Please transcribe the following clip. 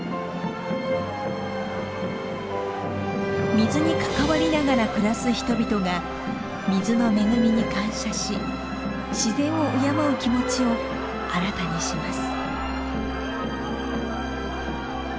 水に関わりながら暮らす人々が水の恵みに感謝し自然を敬う気持ちを新たにします。